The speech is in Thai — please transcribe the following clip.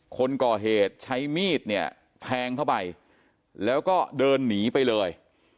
คนก่อเหตุใช้มีดเนี่ยแทงเข้าไปแล้วก็เดินหนีไปเลย